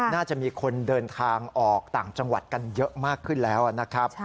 น่าจะมีคนเดินทางออกต่างจังหวัดกันเยอะมากขึ้นแล้วนะครับ